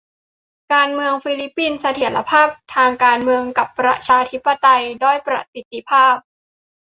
การเมืองฟิลิปปินส์ : เสถียรภาพทางการเมืองกับประชาธิปไตยด้อยประสิทธิภาพ